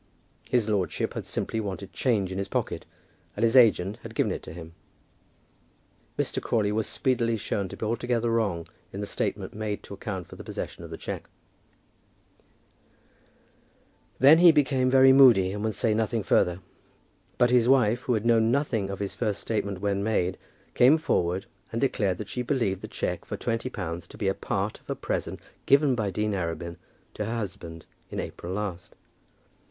His lordship had simply wanted change in his pocket, and his agent had given it to him. Mr. Crawley was speedily shown to be altogether wrong in the statement made to account for possession of the cheque. Then he became very moody and would say nothing further. But his wife, who had known nothing of his first statement when made, came forward and declared that she believed the cheque for twenty pounds to be a part of a present given by Dean Arabin to her husband in April last.